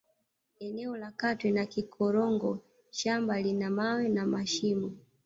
Eneo la Katwe na Kikorongo shamba lina mawe na mashimo